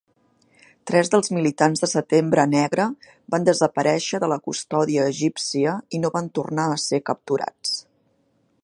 Tres dels militants de Setembre Negre van desaparèixer de la custòdia egípcia i no van tornar a ser capturats.